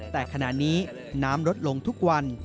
แต่ขณะนี้น้ำลดลงทุกวัน